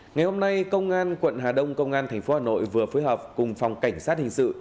ngày hôm nay công an quận hà đông công an tp hà nội vừa phối hợp cùng phòng cảnh sát hình sự